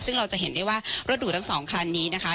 ซึ่งเราจะเห็นได้ว่ารถหรูทั้งสองคันนี้นะคะ